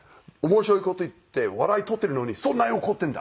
面白い事言って笑い取ってるのにそんなに怒ってるんだ。